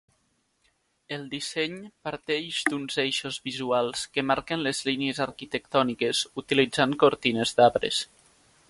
El disseny parteix d’uns eixos visuals que marquen les línies arquitectòniques utilitzant cortines d’arbres.